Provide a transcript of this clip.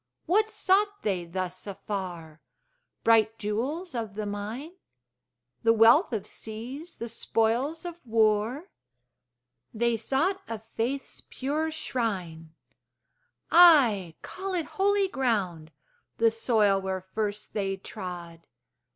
What sought they thus afar? Bright jewels of the mine? The wealth of seas, the spoils of war? They sought a faith's pure shrine! Ay, call it holy ground, The soil where first they trod.